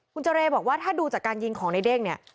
คุณเจรบอกว่าถ้าดูจากการยิงของในเด้งเนี่ย